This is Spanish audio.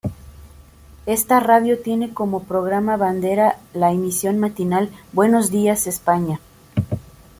Esta radio tiene como programa bandera la emisión matinal "Buenos días, España".